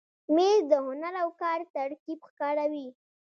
مېز د هنر او کار ترکیب ښکاروي.